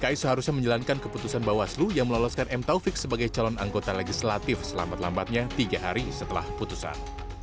kpu dki seharusnya menjalankan keputusan bawah selu yang meloloskan m taufik sebagai calon anggota legislatif selamat lambatnya tiga hari setelah putusan